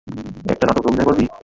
একটা নাটকে অভিনয় করবি?